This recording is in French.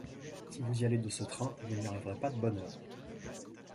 Si vous allez de ce train, vous n’y arriverez pas de bonne heure.